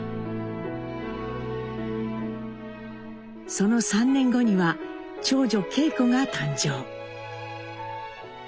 その３年後には長女恵子が誕生。